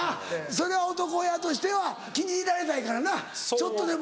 それは男親としては気に入られたいからなちょっとでも。